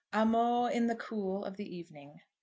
"'AMO' IN THE COOL OF THE EVENING."